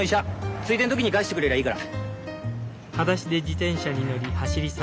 ついでの時に返してくれりゃいいから。